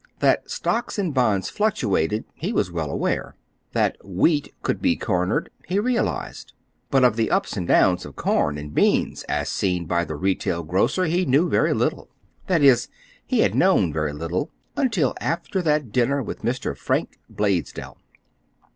That stocks and bonds fluctuated, he was well aware. That "wheat" could be cornered, he realized. But of the ups and downs of corn and beans as seen by the retail grocer he knew very little. That is, he had known very little until after that dinner with Mr. Frank Blaisdell.